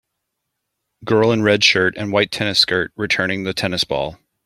Girl in red shirt and white tennis skirt returning the tennis ball.